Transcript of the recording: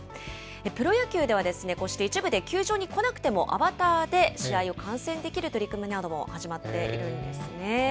プロ野球では、こうして一部で球場に来なくてもアバターで試合を観戦できる取り組みなども始まっているんですね。